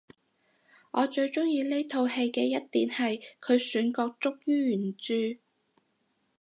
我最鍾意呢套戲嘅一點係佢選角忠於原著